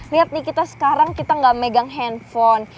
lihat nih kita sekarang kita nggak megang handphone